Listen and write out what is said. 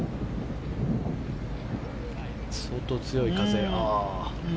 相当強い風。